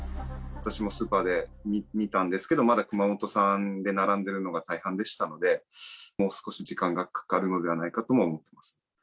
私もスーパーで見たんですけど、まだ熊本県産で並んでるのが大半でしたので、もう少し時間がかかるのではないかとも思ってます。